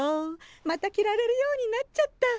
また着られるようになっちゃった！